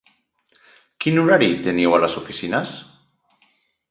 Quin horari teniu a les oficines?